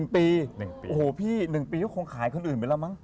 โอ้โหพี่๑ปีก็คงขายคนอื่นไปแล้วมั้